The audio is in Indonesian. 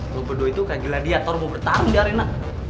lo bedua itu kayak gila diator mau bertarung di arena